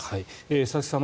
佐々木さん